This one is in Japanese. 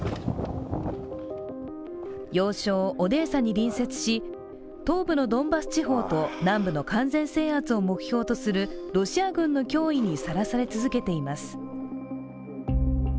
要衝オデーサに隣接し東部のドンバス地方と南部の完全制圧を目標とするロシア軍の脅威にさらされ続けています。